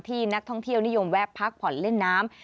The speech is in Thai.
นักท่องเที่ยวนิยมแวะพักผ่อนเล่นน้ำ